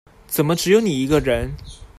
怎麼只有你一個人